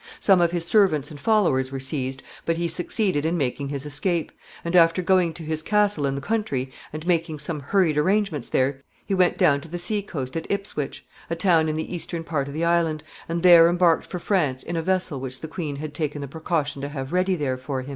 Some of his servants and followers were seized, but he succeeded in making his escape, and, after going to his castle in the country, and making some hurried arrangements there, he went down to the sea coast at Ipswich, a town in the eastern part of the island, and there embarked for France in a vessel which the queen had taken the precaution to have ready there for him.